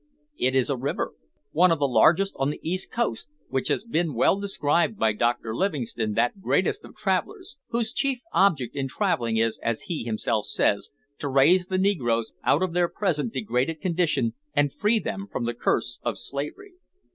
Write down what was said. "It is a river; one of the largest on the east coast, which has been well described by Dr Livingstone, that greatest of travellers, whose chief object in travelling is, as he himself says, to raise the negroes out of their present degraded condition, and free them from the curse of slavery."